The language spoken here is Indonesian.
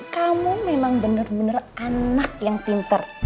kamu memang bener bener anak yang pinter